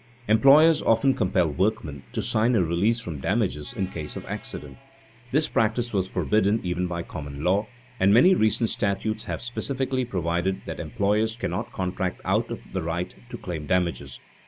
Employers often compel workmen to sign a release from damages in case of accident. This practice was forbidden even by common law, and many recent statutes have specifically provided that employers cannot "contract out" of the right to claim damages.